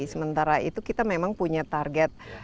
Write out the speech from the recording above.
sementara itu kita memang punya target